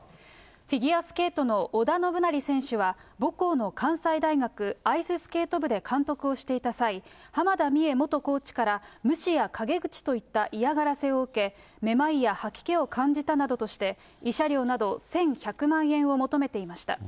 フィギュアスケートの織田信成選手は、母校の関西大学アイススケート部で監督をしていた際、濱田美栄元コーチから、無視や陰口といった嫌がらせを受け、めまいや吐き気を感じたなどとして、慰謝料など、１１００万円を求めていました。